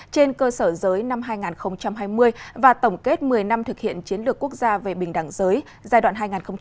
trên cơ sở giới năm hai nghìn hai mươi và tổng kết một mươi năm thực hiện chiến lược quốc gia về bình đẳng giới giai đoạn hai nghìn một mươi một hai nghìn hai mươi